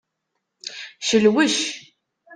Celwec.